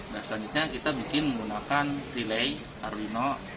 dan selanjutnya kita bikin menggunakan relay arwino